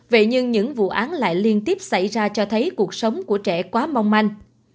vậy nhưng những vụ án lại liên tiếp xảy ra cho thấy cuộc sống của trẻ quá mong manh